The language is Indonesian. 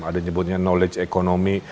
ada yang nyebutnya knowledge economy